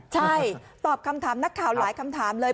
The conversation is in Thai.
ใช่ตอบคำถามนักข่าวหลายคำถามเลย